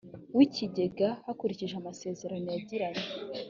w ikigega hakurikijwe amasezerano yagiranye